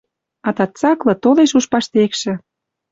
Атат цаклы, толеш уж паштекшӹ